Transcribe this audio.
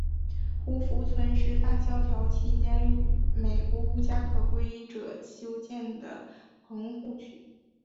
胡佛村是大萧条期间美国无家可归者修建的棚户区。